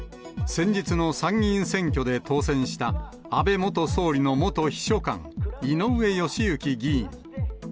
先日の参議院選挙で当選した安倍元総理の元秘書官、井上義行議員。